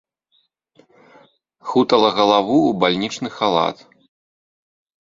Хутала галаву ў бальнічны халат.